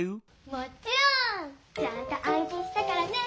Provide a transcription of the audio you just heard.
もちろん！ちゃんとあん記したからね！